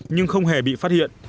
nhưng không hề bị phát hiện